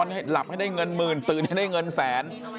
ให้หลับให้ได้เงินหมื่นตื่นให้ได้เงินแสน